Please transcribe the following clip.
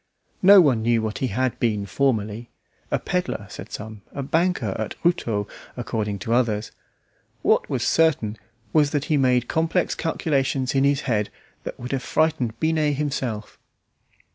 No one knew what he had been formerly; a pedlar said some, a banker at Routot according to others. What was certain was that he made complex calculations in his head that would have frightened Binet himself.